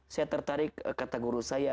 saya tertarik kata guru saya